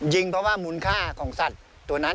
เพราะว่ามูลค่าของสัตว์ตัวนั้น